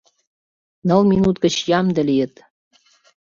Ныл минут гыч ямде лийыт.